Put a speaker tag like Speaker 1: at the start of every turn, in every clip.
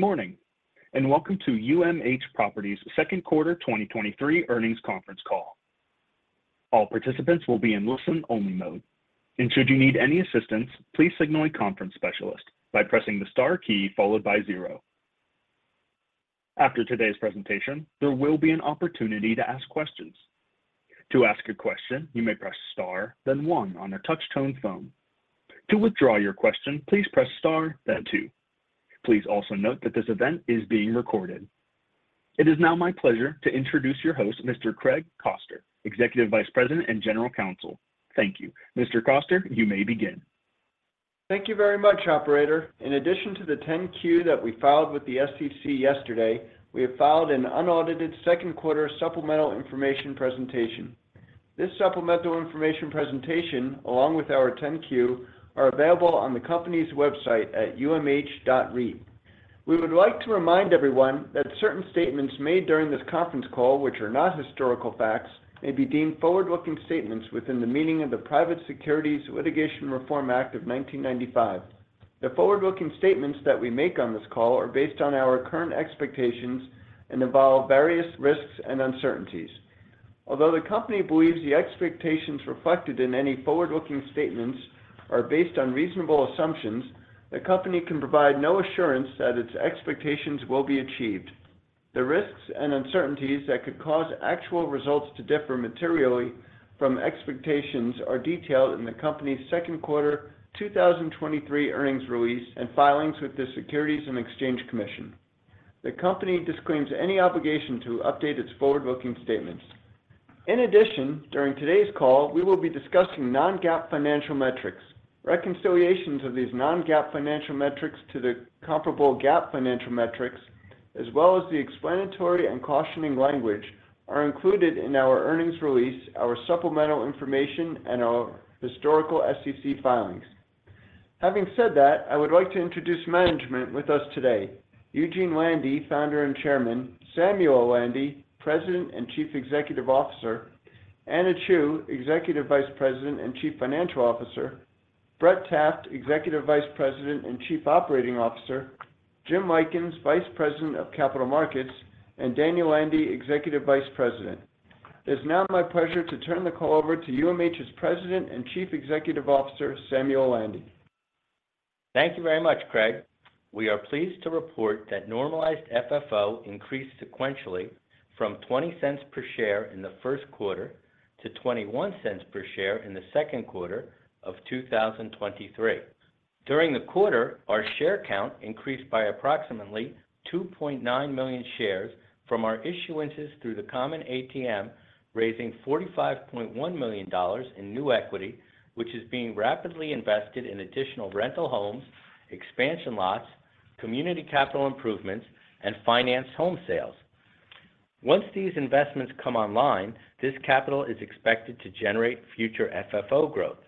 Speaker 1: Good morning, welcome to UMH Properties Second Quarter 2023 Earnings Conference Call. All participants will be in listen-only mode, should you need any assistance, please signal a conference specialist by pressing the star key followed by zero. After today's presentation, there will be an opportunity to ask questions. To ask a question, you may press Star, then One on a touch-tone phone. To withdraw your question, please press Star, then Two. Please also note that this event is being recorded. It is now my pleasure to introduce your host, Mr. Craig Koster, Executive Vice President and General Counsel. Thank you. Mr. Koster, you may begin.
Speaker 2: Thank you very much, operator. In addition to the 10-Q that we filed with the SEC yesterday, we have filed an unaudited second quarter supplemental information presentation. This supplemental information presentation, along with our 10-Q, are available on the company's website at umh.reit. We would like to remind everyone that certain statements made during this conference call, which are not historical facts, may be deemed forward-looking statements within the meaning of the Private Securities Litigation Reform Act of 1995. The forward-looking statements that we make on this call are based on our current expectations and involve various risks and uncertainties. Although the company believes the expectations reflected in any forward-looking statements are based on reasonable assumptions, the company can provide no assurance that its expectations will be achieved. The risks and uncertainties that could cause actual results to differ materially from expectations are detailed in the company's Second Quarter 2023 Earnings Release and filings with the Securities and Exchange Commission. The company disclaims any obligation to update its forward-looking statements. In addition, during today's call, we will be discussing non-GAAP financial metrics. Reconciliations of these non-GAAP financial metrics to the comparable GAAP financial metrics, as well as the explanatory and cautioning language, are included in our earnings release, our supplemental information, and our historical SEC filings. Having said that, I would like to introduce management with us today. Eugene Landy, Founder and Chairman, Samuel Landy, President and Chief Executive Officer, Anna Chew, Executive Vice President and Chief Financial Officer, Brett Taft, Executive Vice President and Chief Operating Officer, Jim Lykins, Vice President of Capital Markets, and Daniel Landy, Executive Vice President. It's now my pleasure to turn the call over to UMH's President and Chief Executive Officer, Samuel Landy.
Speaker 3: Thank you very much, Craig. We are pleased to report that Normalized FFO increased sequentially from $0.20 per share in the first quarter to $0.21 per share in the second quarter of 2023. During the quarter, our share count increased by approximately 2.9 million shares from our issuances through the common ATM, raising $45.1 million in new equity, which is being rapidly invested in additional rental homes, expansion lots, community capital improvements, and finance home sales. Once these investments come online, this capital is expected to generate future FFO growth.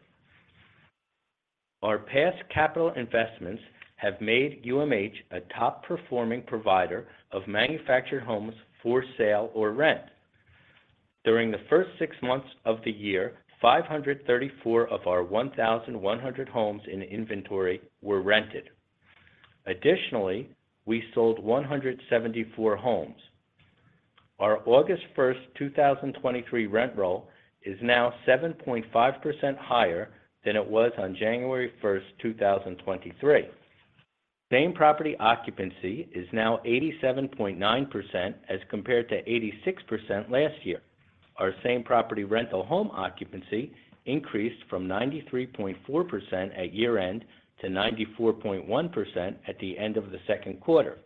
Speaker 3: Our past capital investments have made UMH a top-performing provider of manufactured homes for sale or rent. During the first six months of the year, 534 of our 1,100 homes in inventory were rented. Additionally, we sold 174 homes. Our August 1sr, 2023, rent roll is now 7.5% higher than it was on January 1st, 2023. Same-property occupancy is now 87.9%, as compared to 86% last year. Our same-property rental home occupancy increased from 93.4% at year-end to 94.1% at the end of the second quarter.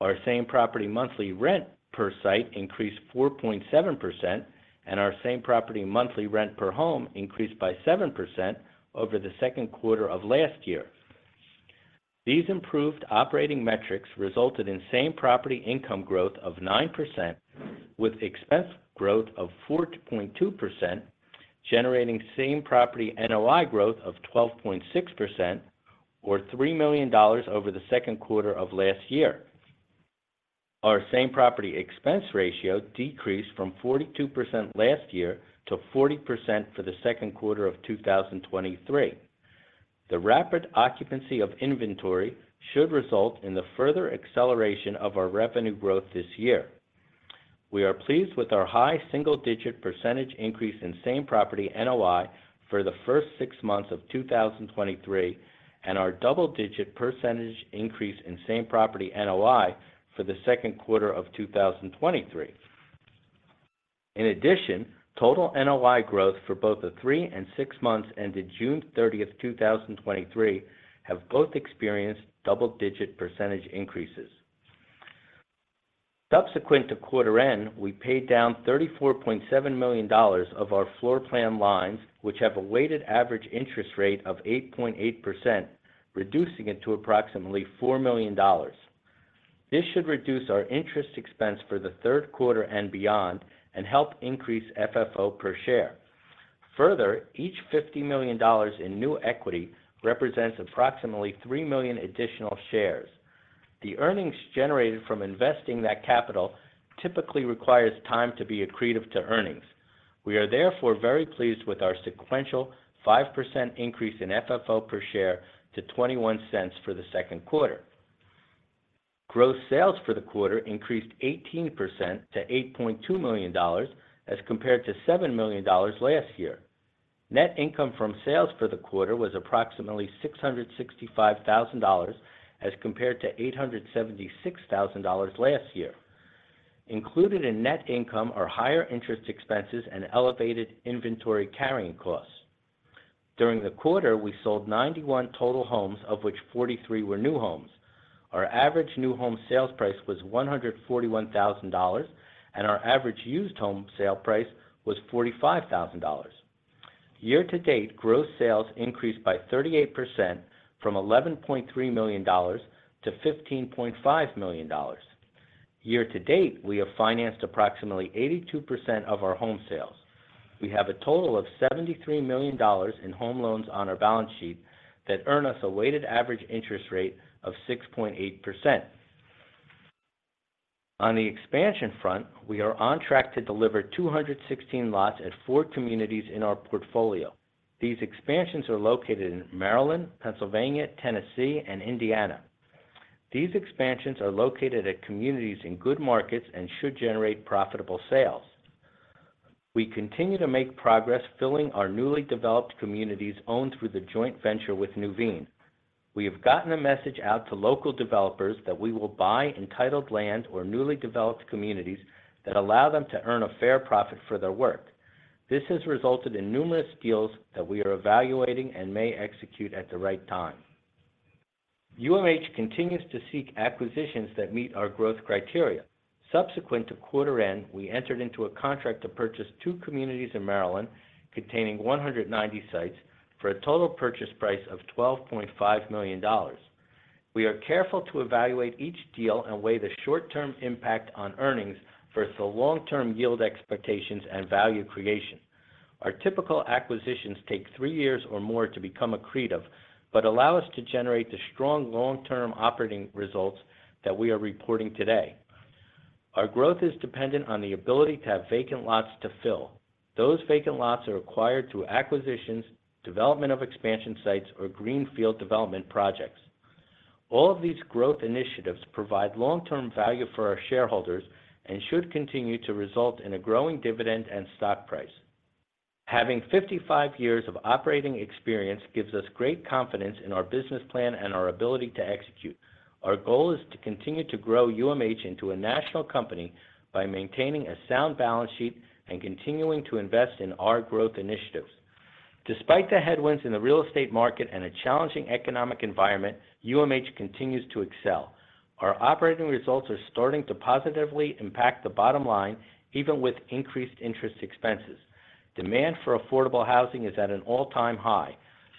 Speaker 3: Our same-property monthly rent per site increased 4.7%, and our same-property monthly rent per home increased by 7% over the second quarter of last year. These improved operating metrics resulted in same-property income growth of 9%, with expense growth of 4.2%, generating same-property NOI growth of 12.6% or $3 million over the second quarter of last year. Our same-property expense ratio decreased from 42% last year to 40% for the second quarter of 2023. The rapid occupancy of inventory should result in the further acceleration of our revenue growth this year. We are pleased with our high single-digit percentage increase in same-property NOI for the first six months of 2023, and our double-digit percentage increase in same-property NOI for the second quarter of 2023. In addition, total NOI growth for both the three and six months ended June 30th, 2023, have both experienced double-digit percentage increases. Subsequent to quarter end, we paid down $34.7 million of our floor plan lines, which have a weighted average interest rate of 8.8%, reducing it to approximately $4 million. This should reduce our interest expense for the third quarter and beyond, and help increase FFO per share. Further, each $50 million in new equity represents approximately 3 million additional shares. The earnings generated from investing that capital typically requires time to be accretive to earnings. We are therefore very pleased with our sequential 5% increase in FFO per share to $0.21 for the second quarter. Gross sales for the quarter increased 18% to $8.2 million, as compared to $7 million last year. Net income from sales for the quarter was approximately $665,000, as compared to $876,000 last year. Included in net income are higher interest expenses and elevated inventory carrying costs. During the quarter, we sold 91 total homes, of which 43 were new homes. Our average new home sales price was $141,000, and our average used home sale price was $45,000. Year-to-date, gross sales increased by 38% from $11.3 million-$15.5 million. Year-to-date, we have financed approximately 82% of our home sales. We have a total of $73 million in home loans on our balance sheet that earn us a weighted average interest rate of 6.8%. On the expansion front, we are on track to deliver 216 lots at four communities in our portfolio. These expansions are located in Maryland, Pennsylvania, Tennessee, and Indiana. These expansions are located at communities in good markets and should generate profitable sales. We continue to make progress filling our newly developed communities owned through the joint venture with Nuveen. We have gotten a message out to local developers that we will buy entitled land or newly developed communities that allow them to earn a fair profit for their work. This has resulted in numerous deals that we are evaluating and may execute at the right time. UMH continues to seek acquisitions that meet our growth criteria. Subsequent to quarter end, we entered into a contract to purchase two communities in Maryland containing 190 sites for a total purchase price of $12.5 million. We are careful to evaluate each deal and weigh the short-term impact on earnings versus the long-term yield expectations and value creation. Our typical acquisitions take three years or more to become accretive, but allow us to generate the strong long-term operating results that we are reporting today. Our growth is dependent on the ability to have vacant lots to fill. Those vacant lots are acquired through acquisitions, development of expansion sites, or greenfield development projects. All of these growth initiatives provide long-term value for our shareholders and should continue to result in a growing dividend and stock price. Having 55 years of operating experience gives us great confidence in our business plan and our ability to execute. Our goal is to continue to grow UMH into a national company by maintaining a sound balance sheet and continuing to invest in our growth initiatives. Despite the headwinds in the real estate market and a challenging economic environment, UMH continues to excel. Our operating results are starting to positively impact the bottom line, even with increased interest expenses. Demand for affordable housing is at an all-time high.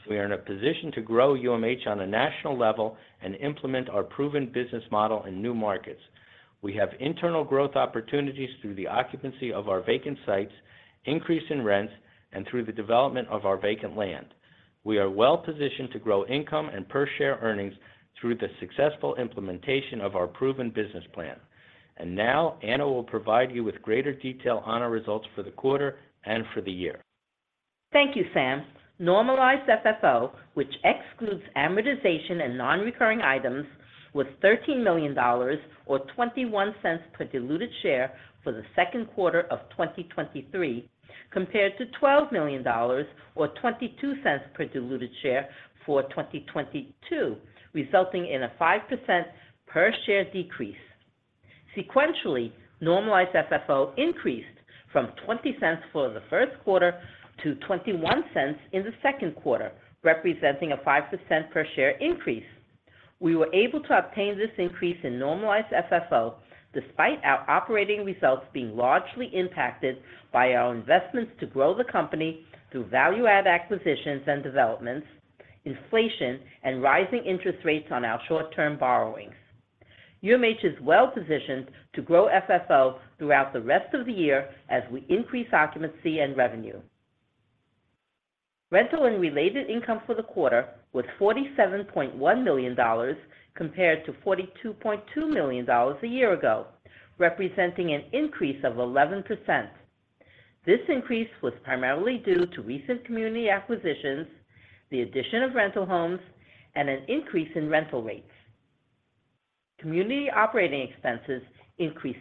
Speaker 3: We are in a position to grow UMH on a national level and implement our proven business model in new markets. We have internal growth opportunities through the occupancy of our vacant sites, increase in rents, and through the development of our vacant land. We are well positioned to grow income and per share earnings through the successful implementation of our proven business plan. Now, Anna will provide you with greater detail on her results for the quarter and for the year.
Speaker 4: Thank you, Sam. Normalized FFO, which excludes amortization and non-recurring items, was $13 million or $0.21 per diluted share for the second quarter of 2023, compared to $12 million or $0.22 per diluted share for 2022, resulting in a 5% per share decrease. Sequentially, Normalized FFO increased from $0.20 for the first quarter to $0.21 in the second quarter, representing a 5% per share increase. We were able to obtain this increase in Normalized FFO despite our operating results being largely impacted by our investments to grow the company through value-add acquisitions and developments, inflation, and rising interest rates on our short-term borrowings. UMH is well positioned to grow FFO throughout the rest of the year as we increase occupancy and revenue. Rental and related income for the quarter was $47.1 million, compared to $42.2 million a year ago, representing an increase of 11%. This increase was primarily due to recent community acquisitions, the addition of rental homes, and an increase in rental rates. Community operating expenses increased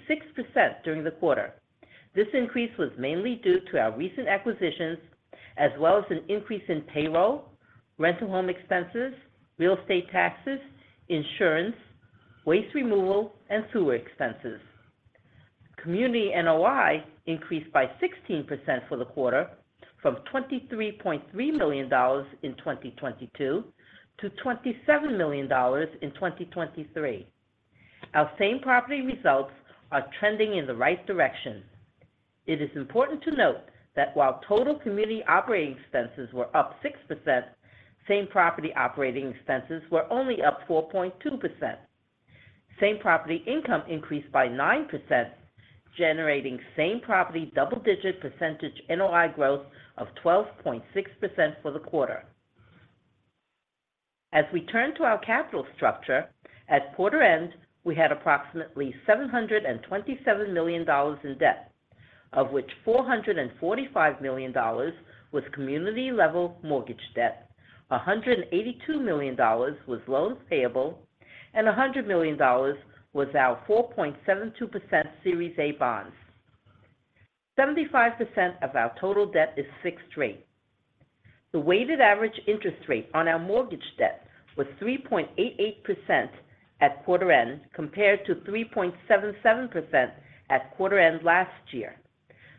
Speaker 4: 6% during the quarter. This increase was mainly due to our recent acquisitions, as well as an increase in payroll, rental home expenses, real estate taxes, insurance, waste removal, and sewer expenses. Community NOI increased by 16% for the quarter from $23.3 million in 2022 to $27 million in 2023. Our same property results are trending in the right direction. It is important to note that while total community operating expenses were up 6%, same-property operating expenses were only up 4.2%. Same-property income increased by 9%, generating same-property double-digit percentage NOI growth of 12.6% for the quarter. As we turn to our capital structure, at quarter end, we had approximately $727 million in debt, of which $445 million was community-level mortgage debt, $182 million was loans payable, and $100 million was our 4.72% Series A bonds. 75% of our total debt is fixed rate. The weighted average interest rate on our mortgage debt was 3.88% at quarter end, compared to 3.77% at quarter end last year.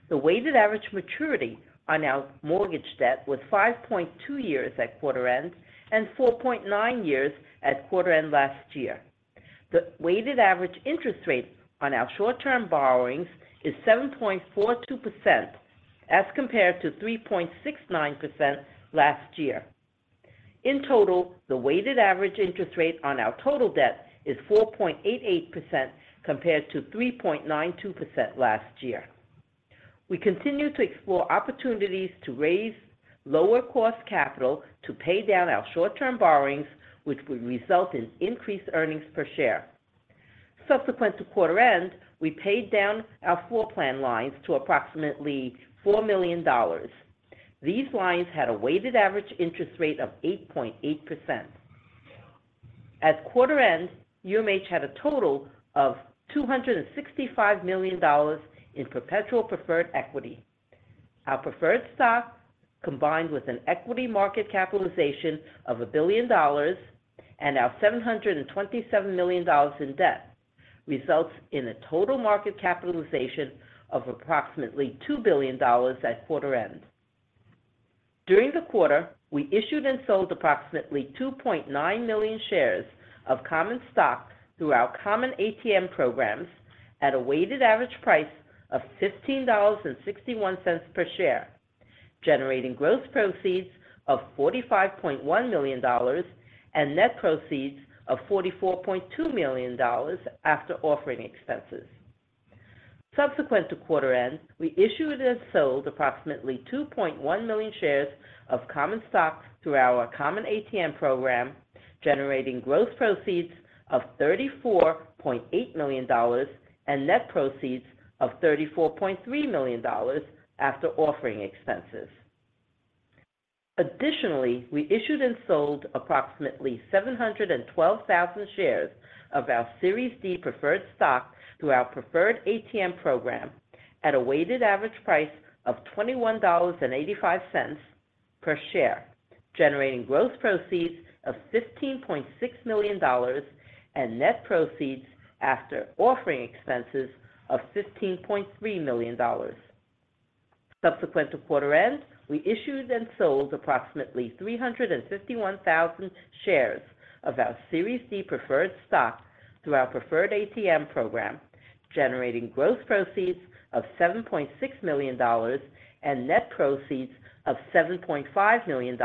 Speaker 4: The weighted average maturity on our mortgage debt was 5.2% years at quarter end and 4.9% years at quarter end last year. The weighted average interest rate on our short-term borrowings is 7.42%, as compared to 3.69% last year. In total, the weighted average interest rate on our total debt is 4.88%, compared to 3.92% last year. We continue to explore opportunities to raise lower cost capital to pay down our short-term borrowings, which would result in increased earnings per share. Subsequent to quarter end, we paid down our floor plan lines to approximately $4 million. These lines had a weighted average interest rate of 8.8%. At quarter end, UMH had a total of $265 million in perpetual preferred equity. Our preferred stock, combined with an equity market capitalization of $1 billion and our $727 million in debt, results in a total market capitalization of approximately $2 billion at quarter end. During the quarter, we issued and sold approximately 2.9 million shares of common stock through our common ATM programs at a weighted average price of $15.61 per share, generating gross proceeds of $45.1 million and net proceeds of $44.2 million after offering expenses. Subsequent to quarter end, we issued and sold approximately 2.1 million shares of common stock through our common ATM program, generating gross proceeds of $34.8 million and net proceeds of $34.3 million after offering expenses. Additionally, we issued and sold approximately 712,000 shares of our Series D preferred stock through our preferred ATM program at a weighted average price of $21.85 per share, generating gross proceeds of $15.6 million and net proceeds after offering expenses of $15.3 million. Subsequent to quarter end, we issued and sold approximately 351,000 shares of our Series C preferred stock through our preferred ATM program, generating gross proceeds of $7.6 million and net proceeds of $7.5 million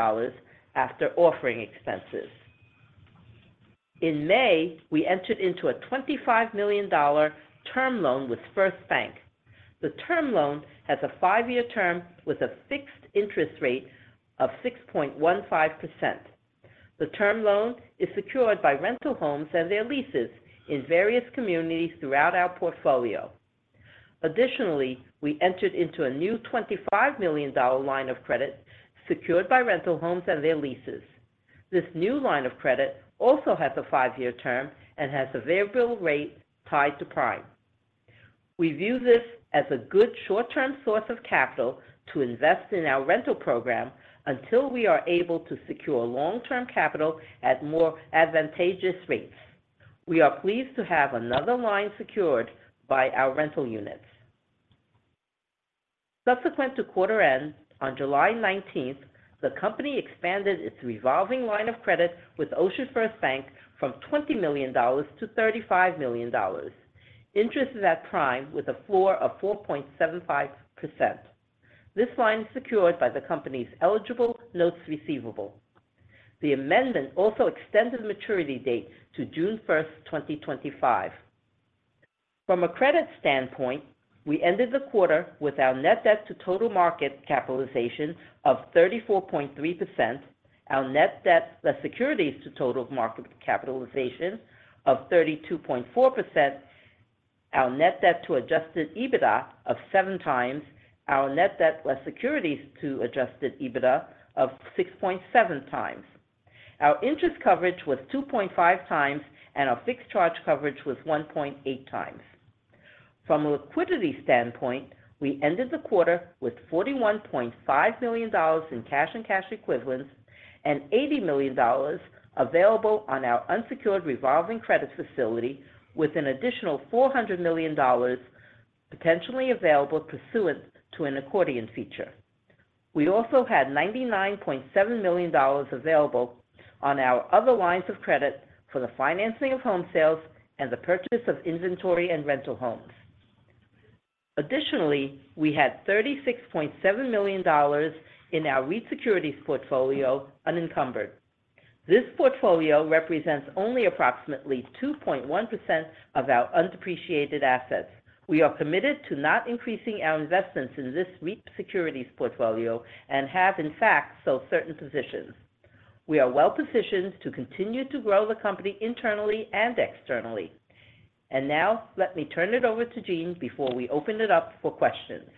Speaker 4: after offering expenses. In May, we entered into a $25 million term loan with FirstBank. The term loan has a five-year term with a fixed interest rate of 6.15%. The term loan is secured by rental homes and their leases in various communities throughout our portfolio. We entered into a new $25 million line of credit secured by rental homes and their leases. This new line of credit also has a five-year term and has a variable rate tied to Prime. We view this as a good short-term source of capital to invest in our rental program until we are able to secure long-term capital at more advantageous rates. We are pleased to have another line secured by our rental units. Subsequent to quarter end, on July 19th, the company expanded its revolving line of credit with OceanFirst Bank from $20 million-$35 million. Interest is at Prime with a floor of 4.75%. This line is secured by the company's eligible notes receivable. The amendment also extended the maturity date to June 1st, 2025. From a credit standpoint, we ended the quarter with our net debt to total market capitalization of 34.3%, our net debt, less securities to total market capitalization of 32.4%, our net debt to adjusted EBITDA of 7x, our net debt, less securities to adjusted EBITDA of 6.7x. Our interest coverage was 2.5x and our fixed charge coverage was 1.8x. From a liquidity standpoint, we ended the quarter with $41.5 million in cash and cash equivalents and $80 million available on our unsecured revolving credit facility, with an additional $400 million potentially available pursuant to an accordion feature. We also had $99.7 million available on our other lines of credit for the financing of home sales and the purchase of inventory and rental homes. Additionally, we had $36.7 million in our REIT securities portfolio unencumbered. This portfolio represents only approximately 2.1% of our undepreciated assets. We are committed to not increasing our investments in this REIT securities portfolio and have, in fact, sold certain positions. We are well-positioned to continue to grow the company internally and externally. Now let me turn it over to Eugene before we open it up for questions.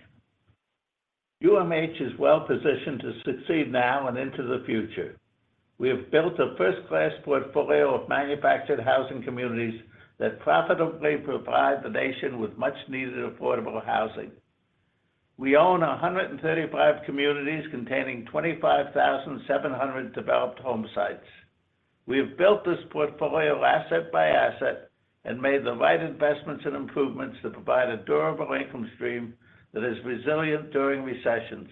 Speaker 5: UMH is well positioned to succeed now and into the future. We have built a first-class portfolio of manufactured housing communities that profitably provide the nation with much-needed affordable housing. We own 135 communities containing 25,700 developed home sites. We have built this portfolio asset by asset and made the right investments and improvements that provide a durable income stream that is resilient during recessions.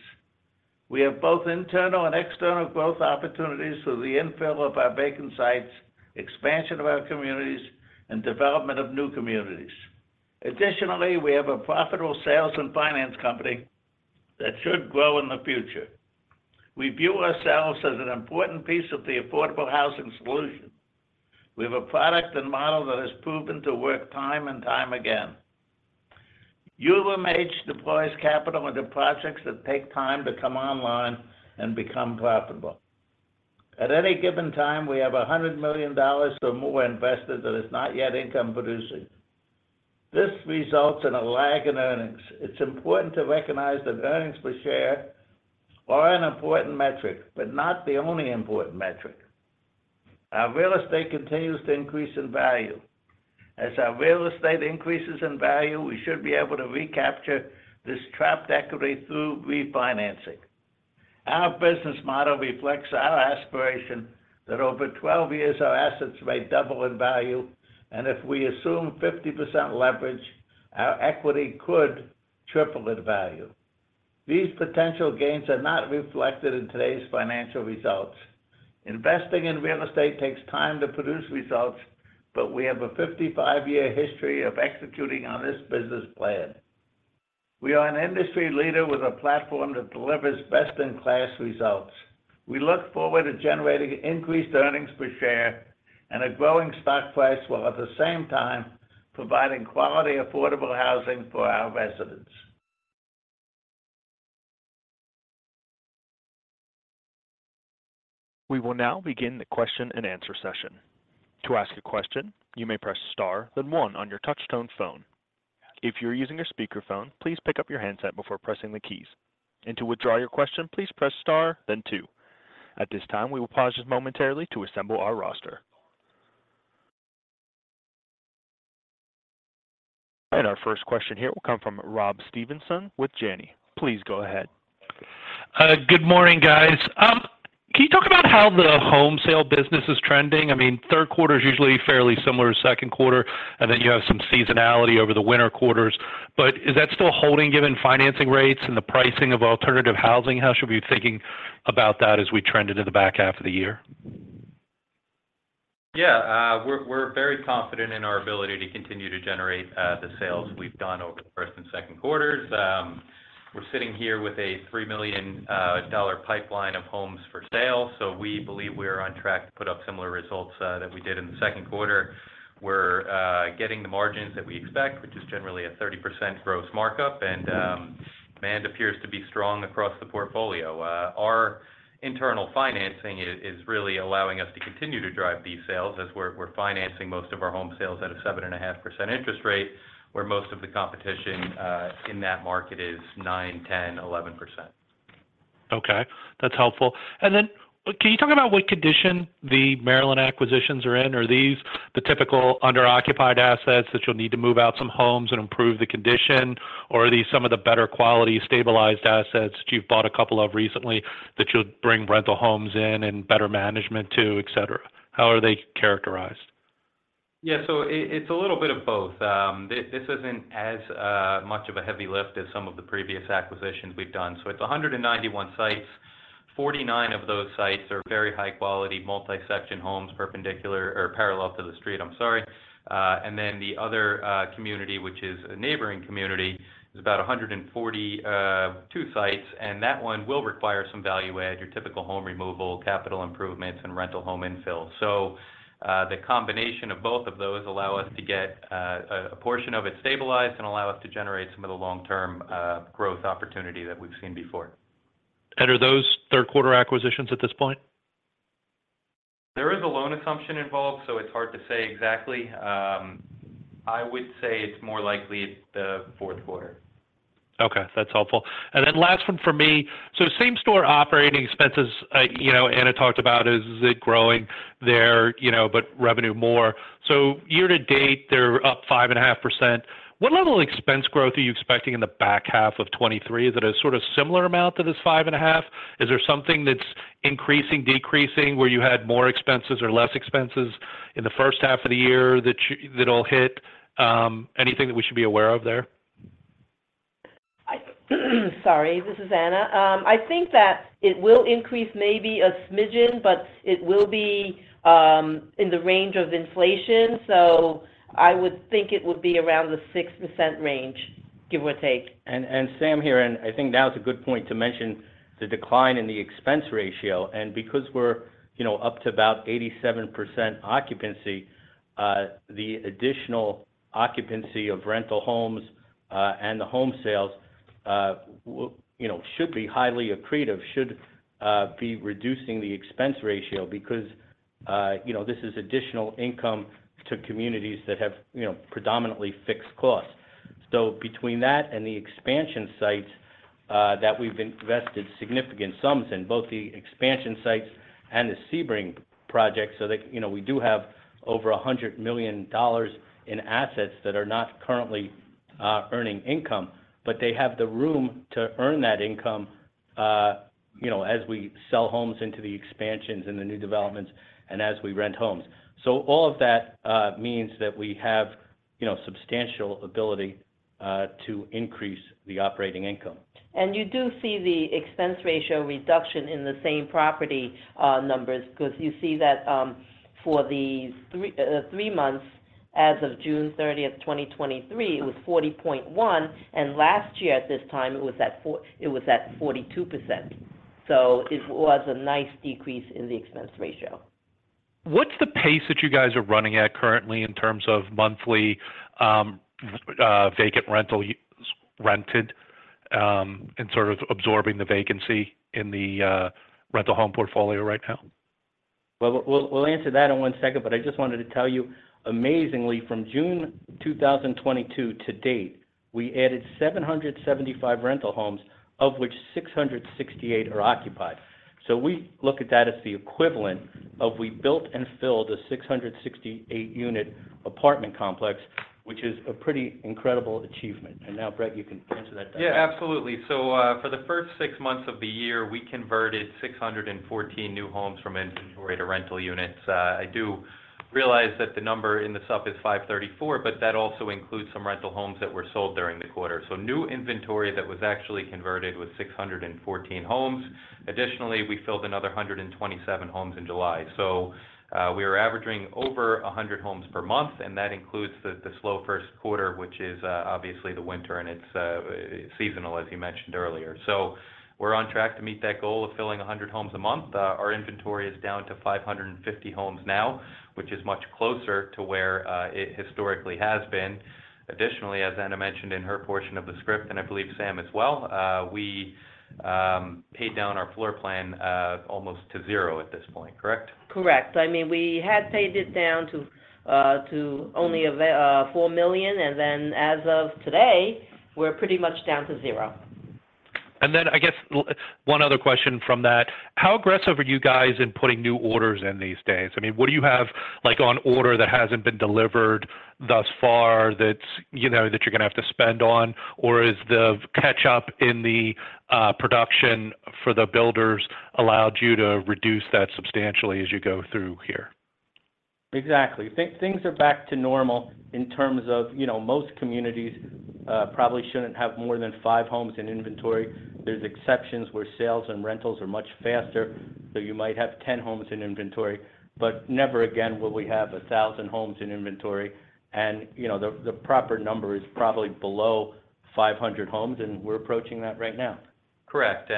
Speaker 5: We have both internal and external growth opportunities through the infill of our vacant sites, expansion of our communities, and development of new communities. Additionally, we have a profitable sales and finance company that should grow in the future. We view ourselves as an important piece of the affordable housing solution. We have a product and model that has proven to work time and time again. UMH deploys capital into projects that take time to come online and become profitable. At any given time, we have $100 million or more invested that is not yet income producing. This results in a lag in earnings. It's important to recognize that earnings per share are an important metric, but not the only important metric. Our real estate continues to increase in value. As our real estate increases in value, we should be able to recapture this trapped equity through refinancing. Our business model reflects our aspiration that over 12 years, our assets may double in value, and if we assume 50% leverage, our equity could triple in value. These potential gains are not reflected in today's financial results. Investing in real estate takes time to produce results, but we have a 55-year history of executing on this business plan. We are an industry leader with a platform that delivers best-in-class results. We look forward to generating increased earnings per share and a growing stock price, while at the same time, providing quality, affordable housing for our residents.
Speaker 1: We will now begin the question and answer session. To ask a question, you may press star, then 1 on your touchtone phone. If you're using a speakerphone, please pick up your handset before pressing the keys. To withdraw your question, please press star, then two. At this time, we will pause just momentarily to assemble our roster. Our first question here will come from Rob Stevenson with Janney. Please go ahead.
Speaker 6: Good morning, guys. Can you talk about how the home sale business is trending? I mean, third quarter is usually fairly similar to second quarter, and then you have some seasonality over the winter quarters. Is that still holding, given financing rates and the pricing of alternative housing? How should we be thinking about that as we trend into the back half of the year?
Speaker 7: Yeah, we're very confident in our ability to continue to generate the sales we've done over the first and second quarters. We're sitting here with a $3 million dollar pipeline of homes for sale, so we believe we're on track to put up similar results that we did in the second quarter. We're getting the margins that we expect, which is generally a 30% gross markup, and demand appears to be strong across the portfolio. Our internal financing is really allowing us to continue to drive these sales as we're financing most of our home sales at a 7.5% interest rate, where most of the competition in that market is 9%, 10%, 11%.
Speaker 6: Okay, that's helpful. Can you talk about what condition the Maryland acquisitions are in? Are these the typical underoccupied assets that you'll need to move out some homes and improve the condition? Or are these some of the better quality, stabilized assets that you've bought a couple of recently, that you'll bring rental homes in and better management to, etc? How are they characterized?
Speaker 7: Yeah. It, it's a little bit of both. This, this isn't as much of a heavy lift as some of the previous acquisitions we've done. It's 191 sites. 49 of those sites are very high quality, multi-section homes, perpendicular or parallel to the street, I'm sorry. Then the other community, which is a neighboring community, is about 142 sites, and that one will require some value add, your typical home removal, capital improvements, and rental home infill. The combination of both of those allow us to get a portion of it stabilized and allow us to generate some of the long-term growth opportunity that we've seen before.
Speaker 6: Are those third quarter acquisitions at this point?
Speaker 7: There is a loan assumption involved, so it's hard to say exactly. I would say it's more likely it's the fourth quarter.
Speaker 6: Okay, that's helpful. Last one for me. Same-store operating expenses, you know, Anna talked about, is it growing there, you know, but revenue more. Year-to-date, they're up 5.5%. What level of expense growth are you expecting in the back half of 2023? Is it a sorta similar amount to this 5.5? Is there something that's increasing, decreasing, where you had more expenses or less expenses in the first half of the year that'll hit? Anything that we should be aware of there?
Speaker 4: Sorry, this is Anna. I think that it will increase maybe a smidgen, but it will be in the range of inflation, so I would think it would be around the 6% range, give or take.
Speaker 3: Sam here, and I think now is a good point to mention the decline in the expense ratio. Because we're, you know, up to about 87% occupancy, the additional occupancy of rental homes, and the home sales. You know, should be highly accretive, should be reducing the expense ratio because, you know, this is additional income to communities that have, you know, predominantly fixed costs. Between that and the expansion sites that we've invested significant sums in, both the expansion sites and the Sebring project, that, you know, we do have over $100 million in assets that are not currently earning income. They have the room to earn that income, you know, as we sell homes into the expansions and the new developments and as we rent homes. All of that means that we have, you know, substantial ability to increase the operating income.
Speaker 4: You do see the expense ratio reduction in the same property numbers, 'cause you see that for these three months, as of June 30th, 2023, it was 40.1%, and last year at this time, it was at 42%. It was a nice decrease in the expense ratio.
Speaker 6: What's the pace that you guys are running at currently in terms of monthly, vacant rental rented, and sort of absorbing the vacancy in the rental home portfolio right now?
Speaker 3: Well, we'll answer that in one second, but I just wanted to tell you, amazingly, from June 2022 to date, we added 775 rental homes, of which 668 are occupied. We look at that as the equivalent of we built and filled a 668-unit apartment complex, which is a pretty incredible achievement. Now, Brett, you can answer that back.
Speaker 7: Yeah, absolutely. For the first six months of the year, we converted 614 new homes from inventory to rental units. I do realize that the number in the sup is 534, but that also includes some rental homes that were sold during the quarter. New inventory that was actually converted was 614 homes. Additionally, we filled another 127 homes in July. We are averaging over 100 homes per month, and that includes the, the slow first quarter, which is, obviously the winter, and it's, seasonal, as you mentioned earlier. We're on track to meet that goal of filling 100 homes a month. Our inventory is down to 550 homes now, which is much closer to where, it historically has been. Additionally, as Anna mentioned in her portion of the script, and I believe Sam as well, we paid down our floor plan almost to zero at this point, correct?
Speaker 4: Correct. I mean, we had paid it down to only $4 million, and then as of today, we're pretty much down to zero.
Speaker 6: Then, I guess, one other question from that: How aggressive are you guys in putting new orders in these days? I mean, what do you have, like, on order that hasn't been delivered thus far that's, you know, that you're going to have to spend on? Or has the catch-up in the production for the builders allowed you to reduce that substantially as you go through here?
Speaker 3: Exactly. Things are back to normal in terms of, you know, most communities, probably shouldn't have more than five homes in inventory. There's exceptions where sales and rentals are much faster, so you might have 10 homes in inventory, but never again will we have 1,000 homes in inventory. You know, the proper number is probably below 500 homes, and we're approaching that right now.
Speaker 7: Correct.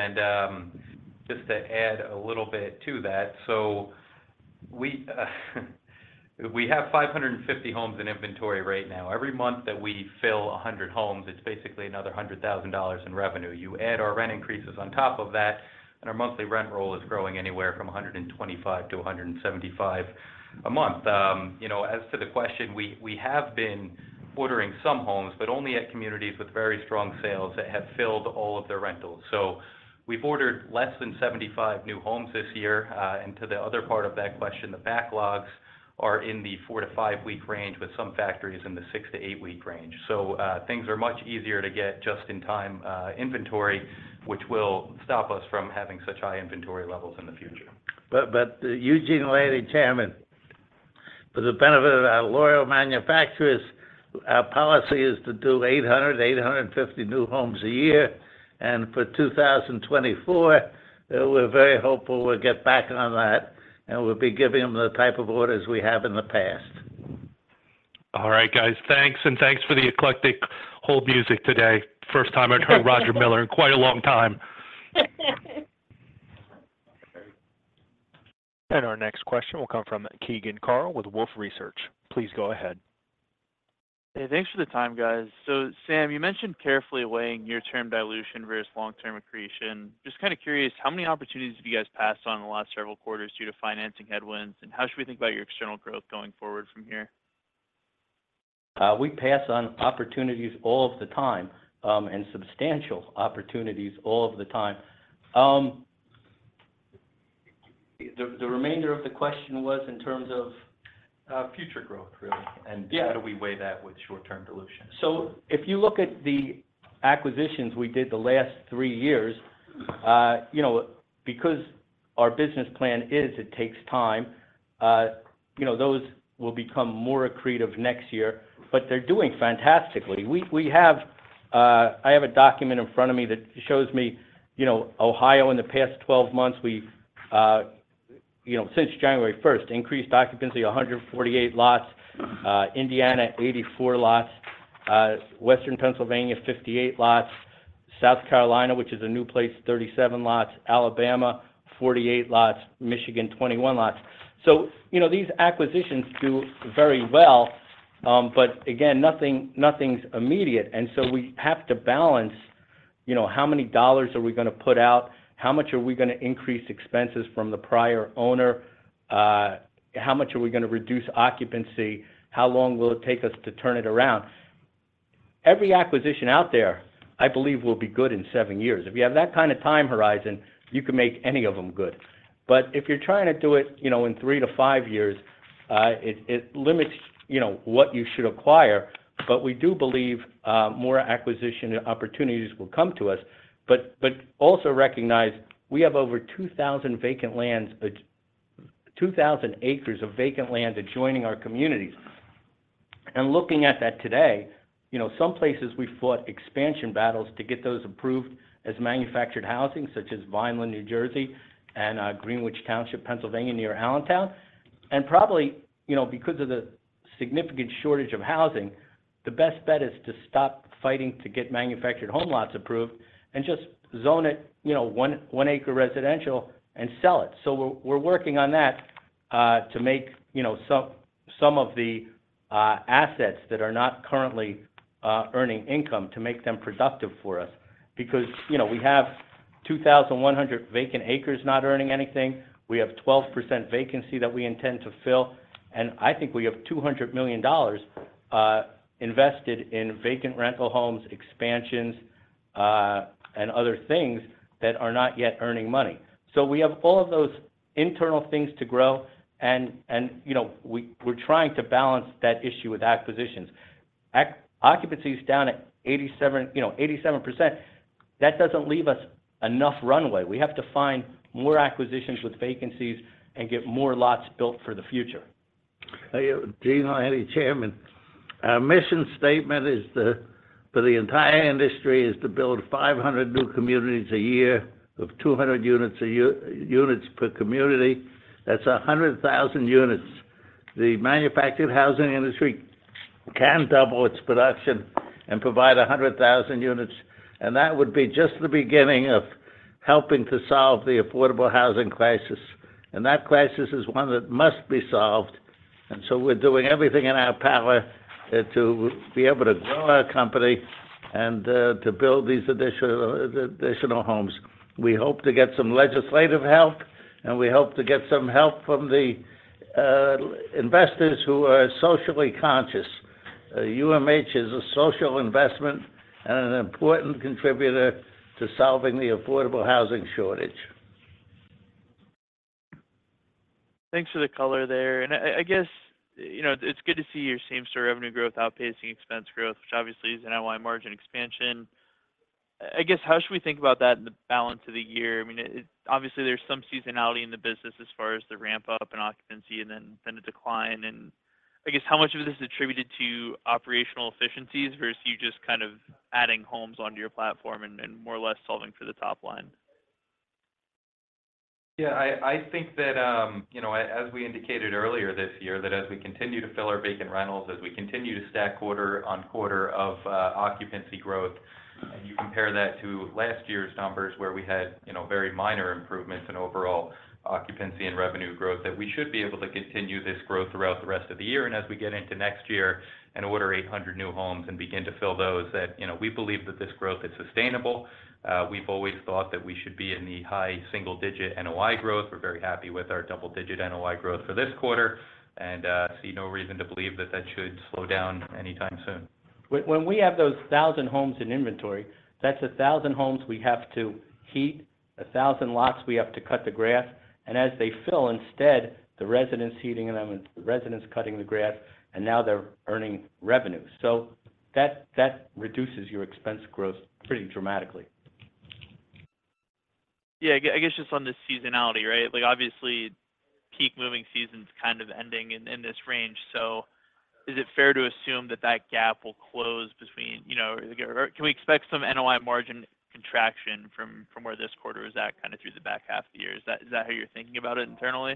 Speaker 7: Just to add a little bit to that, we, we have 550 homes in inventory right now. Every month that we fill 100 homes, it's basically another $100,000 in revenue. You add our rent increases on top of that, and our monthly rent roll is growing anywhere from $125-$175 a month. You know, as to the question, we, we have been ordering some homes, but only at communities with very strong sales that have filled all of their rentals. We've ordered less than 75 new homes this year. To the other part of that question, the backlogs are in the four-five-week range, with some factories in the six-eight-week range. Things are much easier to get just-in-time inventory, which will stop us from having such high inventory levels in the future.
Speaker 5: Eugene Landy, Chairman, for the benefit of our loyal manufacturers, our policy is to do 800-850 new homes a year, and for 2024, we're very hopeful we'll get back on that, and we'll be giving them the type of orders we have in the past.
Speaker 6: All right, guys. Thanks, and thanks for the eclectic hold music today. First time I've heard Roger Miller in quite a long time.
Speaker 1: Our next question will come from Keegan Carl with Wolfe Research. Please go ahead.
Speaker 8: Hey, thanks for the time, guys. Sam, you mentioned carefully weighing near-term dilution versus long-term accretion. Just kind of curious, how many opportunities have you guys passed on in the last several quarters due to financing headwinds, and how should we think about your external growth going forward from here?
Speaker 3: We pass on opportunities all of the time, and substantial opportunities all of the time. The, the remainder of the question was in terms of.
Speaker 8: future growth, really.
Speaker 3: Yeah.
Speaker 8: How do we weigh that with short-term dilution?
Speaker 3: If you look at the acquisitions we did the last 3 years, you know, because our business plan is it takes time, you know, those will become more accretive next year, but they're doing fantastically. We, we have, I have a document in front of me that shows me, you know, Ohio in the past 12 months, we've, you know, since January 1st, increased occupancy, 148 lots, Indiana, 84 lots, western Pennsylvania, 58 lots, South Carolina, which is a new place, 37 lots, Alabama, 48 lots, Michigan, 21 lots. You know, these acquisitions do very well, but again, nothing, nothing's immediate. We have to balance, you know, how many dollars are we gonna put out? How much are we gonna increase expenses from the prior owner? How much are we gonna reduce occupancy? How long will it take us to turn it around? Every acquisition out there, I believe, will be good in seven years. If you have that kind of time horizon, you can make any of them good. If you're trying to do it, you know, in three to five years, it, it limits, you know, what you should acquire. We do believe more acquisition opportunities will come to us. Also recognize we have over 2,000 vacant lands, 2,000 acres of vacant land adjoining our communities. Looking at that today, you know, some places we fought expansion battles to get those approved as manufactured housing, such as Vineland, New Jersey, and Greenwich Township, Pennsylvania, near Allentown. Probably, you know, because of the significant shortage of housing, the best bet is to stop fighting to get manufactured home lots approved and just zone it, you know, 1 acre residential and sell it. We're, we're working on that to make, you know, some of the assets that are not currently earning income, to make them productive for us. Because, you know, we have 2,100 vacant acres not earning anything. We have 12% vacancy that we intend to fill, and I think we have $200 million invested in vacant rental homes, expansions, and other things that are not yet earning money. We have all of those internal things to grow, and, you know, we're trying to balance that issue with acquisitions. Occupancy is down at, you know, 87%. That doesn't leave us enough runway. We have to find more acquisitions with vacancies and get more lots built for the future.
Speaker 5: Hey, Eugene, hi, Chairman. Our mission statement is the, for the entire industry, is to build 500 new communities a year, of 200 units a year- units per community. That's 100,000 units. The manufactured housing industry can double its production and provide 100,000 units, and that would be just the beginning of helping to solve the affordable housing crisis. And that crisis is one that must be solved, and so we're doing everything in our power, to be able to grow our company and, to build these additional, additional homes. We hope to get some legislative help, and we hope to get some help from the, investors who are socially conscious. UMH is a social investment and an important contributor to solving the affordable housing shortage.
Speaker 8: Thanks for the color there. I guess, you know, it's good to see your same-store revenue growth outpacing expense growth, which obviously is an NOI margin expansion. I guess, how should we think about that in the balance of the year? I mean, obviously, there's some seasonality in the business as far as the ramp up and occupancy and then, then the decline. I guess, how much of this is attributed to operational efficiencies versus you just kind of adding homes onto your platform and, and more or less solving for the top line?
Speaker 7: Yeah, I, I think that, you know, as, as we indicated earlier this year, that as we continue to fill our vacant rentals, as we continue to stack quarter-on-quarter of occupancy growth, and you compare that to last year's numbers, where we had, you know, very minor improvements in overall occupancy and revenue growth, that we should be able to continue this growth throughout the rest of the year. As we get into next year and order 800 new homes and begin to fill those, that, you know, we believe that this growth is sustainable. We've always thought that we should be in the high single-digit NOI growth. We're very happy with our double-digit NOI growth for this quarter, and see no reason to believe that that should slow down anytime soon.
Speaker 3: When, when we have those 1,000 homes in inventory, that's a 1,000 homes we have to heat, a 1,000 lots we have to cut the grass, and as they fill instead, the residents heating them and the residents cutting the grass, and now they're earning revenue. That, that reduces your expense growth pretty dramatically.
Speaker 8: Yeah, I guess just on the seasonality, right? Like, obviously, peak moving season's kind of ending in, in this range, so is it fair to assume that that gap will close between, you know. Or, or can we expect some NOI margin contraction from, from where this quarter is at, kind of through the back half of the year? Is that, is that how you're thinking about it internally?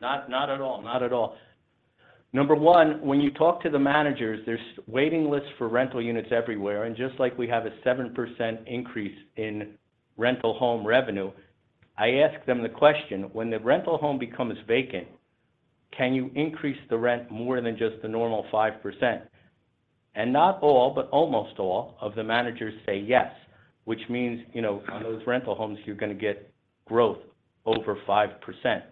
Speaker 3: Not, not at all. Not at all. Number one, when you talk to the managers, there's waiting lists for rental units everywhere, and just like we have a 7% increase in rental home revenue, I ask them the question, "When the rental home becomes vacant, can you increase the rent more than just the normal 5%?" Not all, but almost all of the managers say yes, which means, you know, on those rental homes, you're gonna get growth over 5%.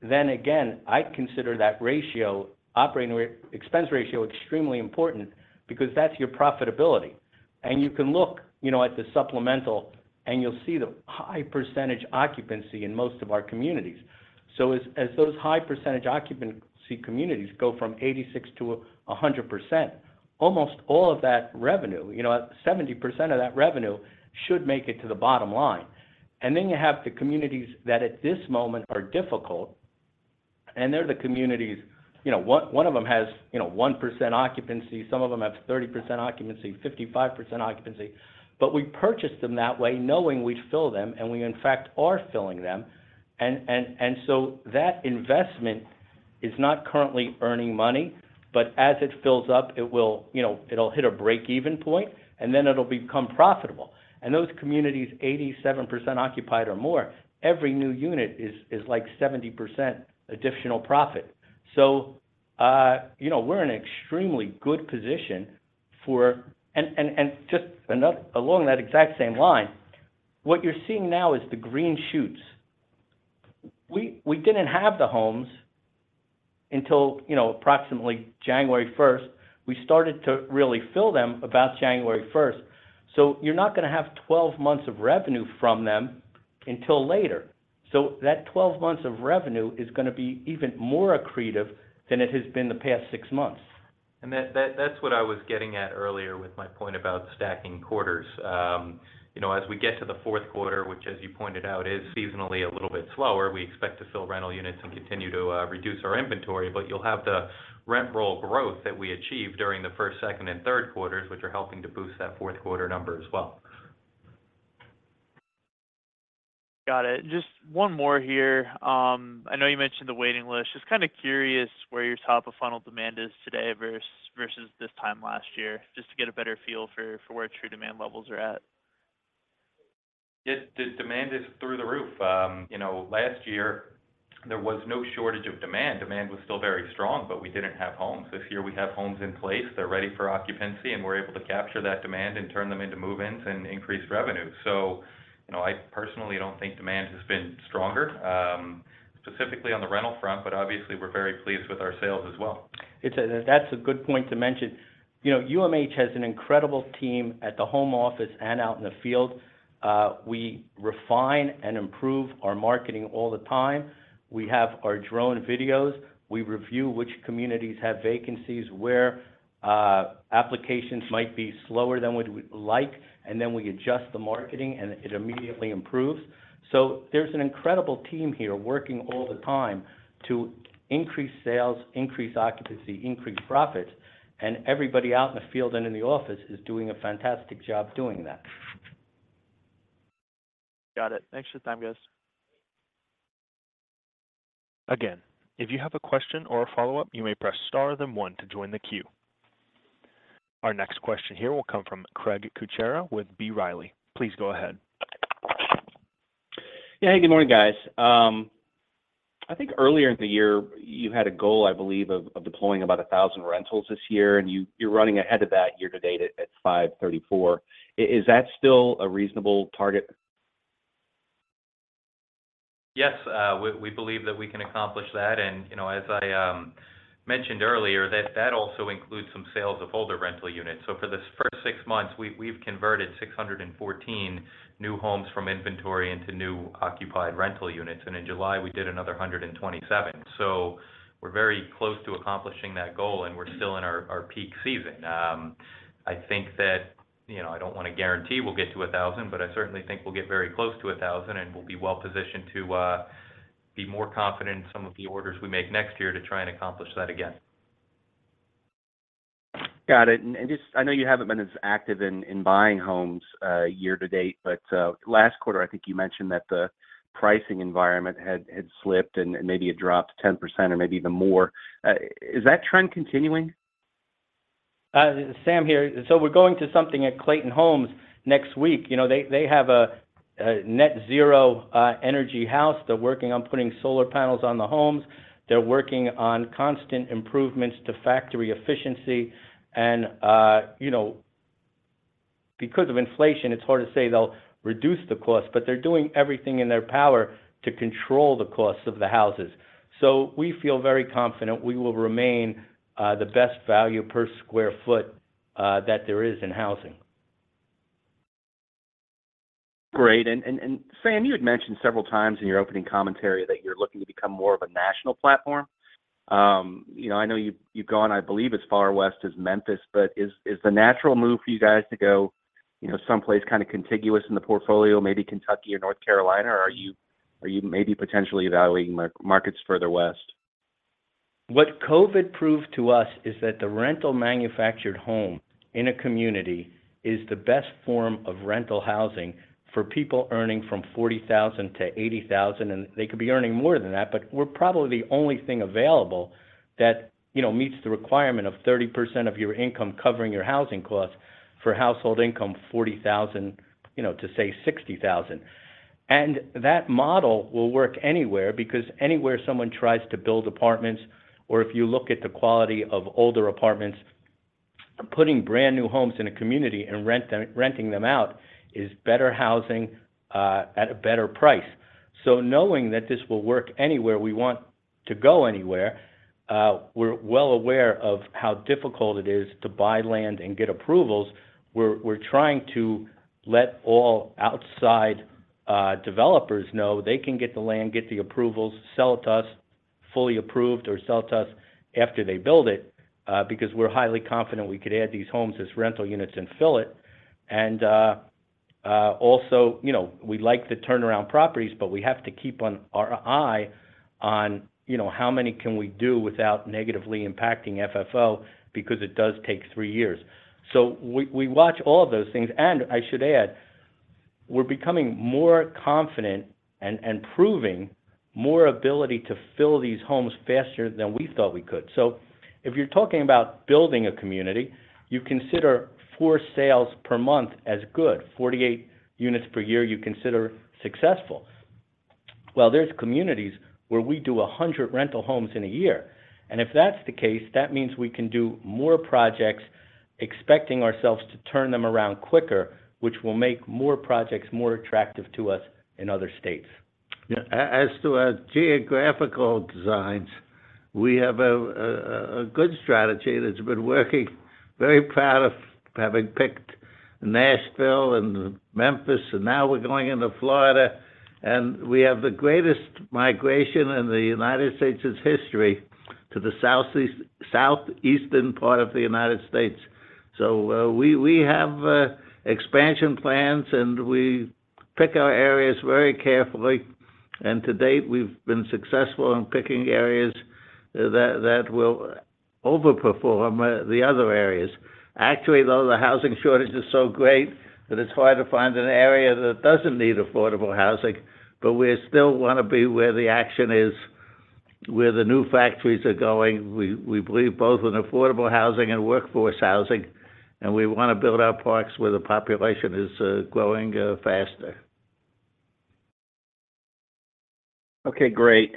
Speaker 3: Then again, I consider that ratio, operating expense ratio, extremely important because that's your profitability. You can look, you know, at the supplemental, and you'll see the high percentage occupancy in most of our communities. As those high percentage occupancy communities go from 86%-100%, almost all of that revenue, you know, 70% of that revenue should make it to the bottom line. Then you have the communities that at this moment are difficult, and they're the communities, you know, one of them has, you know, 1% occupancy, some of them have 30% occupancy, 55% occupancy, but we purchased them that way knowing we'd fill them, and we, in fact, are filling them. That investment is not currently earning money, but as it fills up, it will, you know, it'll hit a break-even point, and then it'll become profitable. Those communities, 87% occupied or more, every new unit is like 70% additional profit. You know, we're in an extremely good position for. Just another, along that exact same line, what you're seeing now is the green shoots. We didn't have the homes until, you know, approximately January 1st. We started to really fill them about January 1st, so you're not going to have 12 months of revenue from them until later. That 12 months of revenue is going to be even more accretive than it has been the past six months.
Speaker 7: That, that's what I was getting at earlier with my point about stacking quarters. You know, as we get to the fourth quarter, which, as you pointed out, is seasonally a little bit slower, we expect to fill rental units and continue to reduce our inventory, but you'll have the rent roll growth that we achieved during the first, second, and third quarters, which are helping to boost that fourth quarter number as well.
Speaker 8: Got it. Just one more here. I know you mentioned the waiting list. Just kind of curious where your top-of-funnel demand is today versus this time last year, just to get a better feel for, for where true demand levels are at.
Speaker 7: The demand is through the roof. You know, last year there was no shortage of demand. Demand was still very strong, but we didn't have homes. This year, we have homes in place, they're ready for occupancy, and we're able to capture that demand and turn them into move-ins and increase revenue. You know, I personally don't think demand has been stronger, specifically on the rental front, but obviously, we're very pleased with our sales as well.
Speaker 3: That's a good point to mention. You know, UMH has an incredible team at the home office and out in the field. We refine and improve our marketing all the time. We have our drone videos. We review which communities have vacancies, where applications might be slower than we'd like, and then we adjust the marketing, and it immediately improves. There's an incredible team here working all the time to increase sales, increase occupancy, increase profits, and everybody out in the field and in the office is doing a fantastic job doing that.
Speaker 8: Got it. Thanks for your time, guys.
Speaker 1: Again, if you have a question or a follow-up, you may press Star, then one to join the queue. Our next question here will come from Craig Kucera with B. Riley. Please go ahead.
Speaker 9: Yeah. Hey, good morning, guys. I think earlier in the year, you had a goal, I believe, of deploying about 1,000 rentals this year, and you're running ahead of that year to date at 534 homes. Is that still a reasonable target?
Speaker 7: Yes, we, we believe that we can accomplish that. You know, as I mentioned earlier, that that also includes some sales of older rental units. For the first six months, we've, we've converted 614 new homes from inventory into new occupied rental units, and in July, we did another 127. We're very close to accomplishing that goal, and we're still in our, our peak season. I think that, you know, I don't want to guarantee we'll get to 1,000, but I certainly think we'll get very close to 1,000, and we'll be well positioned to be more confident in some of the orders we make next year to try and accomplish that again.
Speaker 9: Got it. Just, I know you haven't been as active in buying homes year to date, last quarter, I think you mentioned that the pricing environment had slipped and maybe it dropped 10% or maybe even more. Is that trend continuing?
Speaker 3: Sam here. We're going to something at Clayton Homes next week. You know, they have a net zero energy house. They're working on putting solar panels on the homes. They're working on constant improvements to factory efficiency, you know, because of inflation, it's hard to say they'll reduce the cost, but they're doing everything in their power to control the costs of the houses. We feel very confident we will remain the best value per square foot that there is in housing.
Speaker 9: Great. Sam, you had mentioned several times in your opening commentary that you're looking to become more of a national platform. you know, I know you've, you've gone, I believe, as far west as Memphis, but is the natural move for you guys to go, you know, someplace kind of contiguous in the portfolio, maybe Kentucky or North Carolina, or are you maybe potentially evaluating markets further west?
Speaker 3: What COVID proved to us is that the rental manufactured home in a community is the best form of rental housing for people earning from $40,000-$80,000, and they could be earning more than that, but we're probably the only thing available that, you know, meets the requirement of 30% of your income covering your housing costs for household income $40,000, you know, to, say, $60,000. That model will work anywhere, because anywhere someone tries to build apartments, or if you look at the quality of older apartments, putting brand-new homes in a community and renting them out is better housing at a better price. Knowing that this will work anywhere, we want to go anywhere, we're well aware of how difficult it is to buy land and get approvals. We're, we're trying to let all outside developers know they can get the land, get the approvals, sell it to us, fully approved, or sell it to us after they build it because we're highly confident we could add these homes as rental units and fill it. Also, you know, we like to turn around properties, but we have to keep on our eye on, you know, how many can we do without negatively impacting FFO, because it does take three years. We, we watch all of those things. I should add, we're becoming more confident and proving more ability to fill these homes faster than we thought we could. If you're talking about building a community, you consider four sales per month as good. 48 units per year, you consider successful. Well, there's communities where we do 100 rental homes in a year, and if that's the case, that means we can do more projects, expecting ourselves to turn them around quicker, which will make more projects more attractive to us in other states.
Speaker 5: As to our geographical designs, we have a good strategy that's been working very proud of having picked Nashville and Memphis, and now we're going into Florida, and we have the greatest migration in the United States history to the southeast, southeastern part of the United States. We have expansion plans, and we pick our areas very carefully, and to date, we've been successful in picking areas that will overperform the other areas. Actually, though, the housing shortage is so great that it's hard to find an area that doesn't need affordable housing, we still wanna be where the action is, where the new factories are going. We believe both in affordable housing and workforce housing, we wanna build our parks where the population is growing faster.
Speaker 9: Okay, great.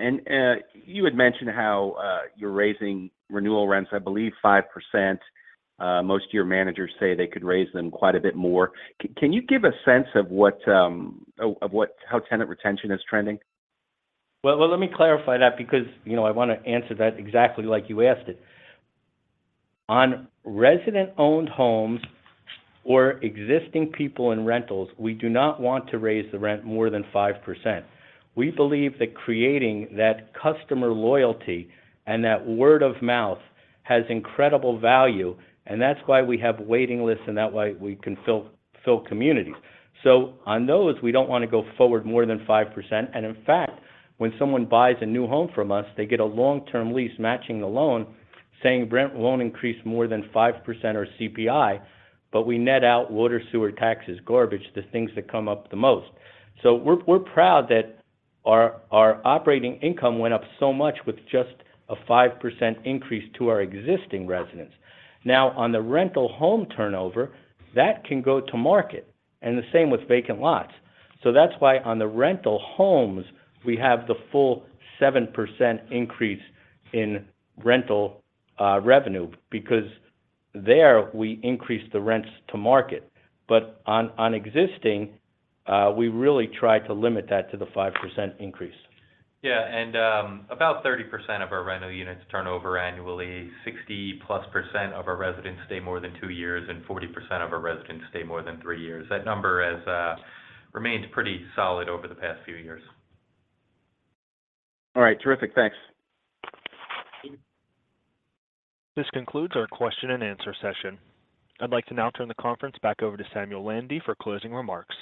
Speaker 9: You had mentioned how you're raising renewal rents, I believe, 5%. Most of your managers say they could raise them quite a bit more. Can you give a sense of what how tenant retention is trending?
Speaker 3: Well, well, let me clarify that because, you know, I wanna answer that exactly like you asked it. On resident-owned homes or existing people in rentals, we do not want to raise the rent more than 5%. We believe that creating that customer loyalty and that word-of-mouth has incredible value, and that's why we have waiting lists, and that's why we can fill, fill communities. On those, we don't wanna go forward more than 5%, and in fact, when someone buys a new home from us, they get a long-term lease matching the loan, saying rent won't increase more than 5% or CPI, but we net out water, sewer, taxes, garbage, the things that come up the most. We're, we're proud that our, our operating income went up so much with just a 5% increase to our existing residents. On the rental home turnover, that can go to market, and the same with vacant lots. That's why on the rental homes, we have the full 7% increase in rental revenue because there, we increase the rents to market. On, on existing, we really try to limit that to the 5% increase.
Speaker 7: Yeah, about 30% of our rental units turn over annually. 60%+ of our residents stay more than two years, and 40% of our residents stay more than three years. That number has remained pretty solid over the past few years.
Speaker 9: All right. Terrific. Thanks.
Speaker 1: This concludes our question-and-answer session. I'd like to now turn the conference back over to Samuel Landy for closing remarks.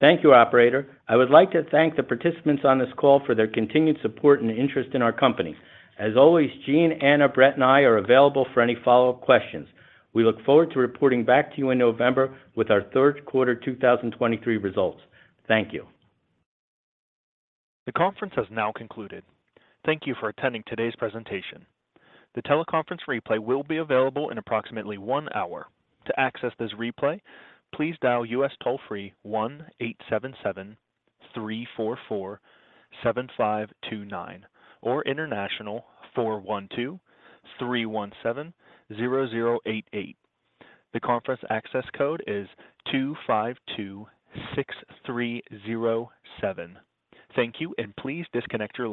Speaker 3: Thank you, operator. I would like to thank the participants on this call for their continued support and interest in our company. As always, Eugene, Anna, Brett, and I are available for any follow-up questions. We look forward to reporting back to you in November with our third quarter 2023 results. Thank you.
Speaker 1: The conference has now concluded. Thank you for attending today's presentation. The tele conference replay will be available in approximately one hour. To access this replay, please dial U.S. toll-free 1-877-344-7529 or international 412-317-0088. The conference access code is 2526307. Thank you, please disconnect your.